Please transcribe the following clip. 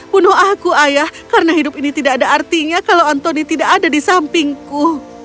bunuh aku ayah karena hidup ini tidak ada artinya kalau anthony tidak ada di sampingku